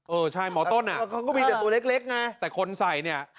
เออใช่หมอต้นอ่ะเขาก็มีแต่ตัวเล็กไงแต่คนใส่เนี่ย